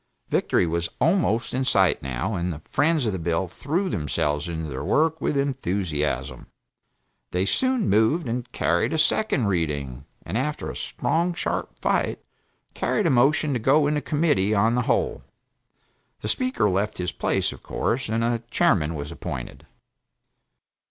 Victory was almost in sight, now, and the friends of the bill threw themselves into their work with enthusiasm. They soon moved and carried its second reading, and after a strong, sharp fight, carried a motion to go into Committee of the whole. The Speaker left his place, of course, and a chairman was appointed.